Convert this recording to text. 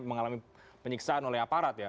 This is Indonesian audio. mengalami penyiksaan oleh aparat ya